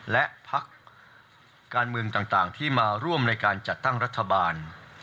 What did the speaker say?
และพักการเมืองต่างที่มาร่วมในการจัดตั้งรัฐบาล